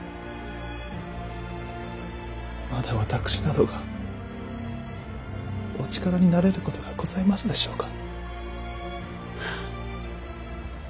まだ私などがお力になれることがございますでしょうか。